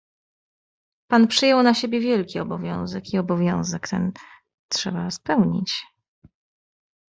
"Pan przyjął na siebie wielki obowiązek i obowiązek ten trzeba spełnić."